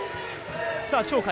さあ鳥海！